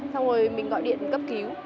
xong rồi mình gọi điện cấp cứu